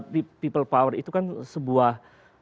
people power itu kan sebuah